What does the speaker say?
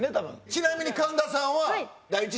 ちなみに神田さんは。